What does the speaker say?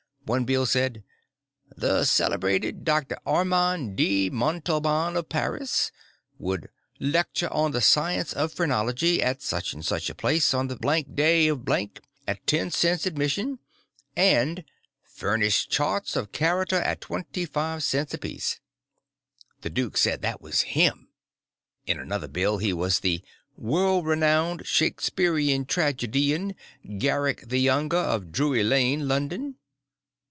One bill said, "The celebrated Dr. Armand de Montalban, of Paris," would "lecture on the Science of Phrenology" at such and such a place, on the blank day of blank, at ten cents admission, and "furnish charts of character at twenty five cents apiece." The duke said that was him. In another bill he was the "world renowned Shakespearian tragedian, Garrick the Younger, of Drury Lane, London."